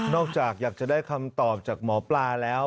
จากอยากจะได้คำตอบจากหมอปลาแล้ว